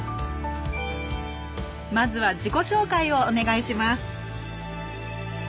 まずは自己紹介をお願いします